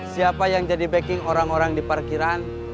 siapa yang jadi backing orang orang di parkiran